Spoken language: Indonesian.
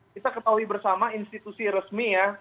kita ketahui bersama institusi resmi ya